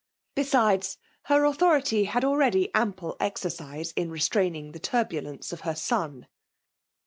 Besides, her authority had already ample exercise in restraining the turbulence of her son.